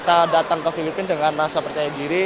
jadi saya datang ke filipina dengan rasa percaya diri